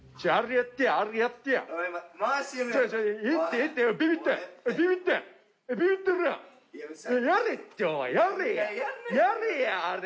やれやあれ。